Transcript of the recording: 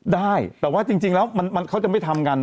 ได้แต่ว่าจริงแล้วเขาจะไม่ทำกัน